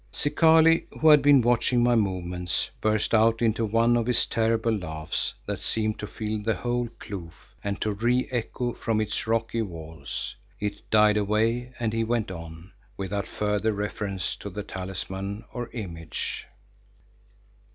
Zikali, who had been watching my movements, burst out into one of his terrible laughs that seemed to fill the whole kloof and to re echo from its rocky walls. It died away and he went on, without further reference to the talisman or image.